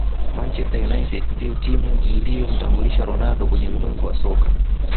manchester united ndiyo timu iliyomtambulisha ronaldo kwenye ulimwengu wa soka